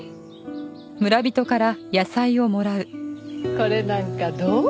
これなんかどう？